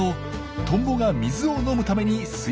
トンボが水を飲むために水面にダイブ。